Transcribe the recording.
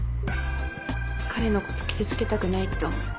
彼のこと傷つけたくないって思う。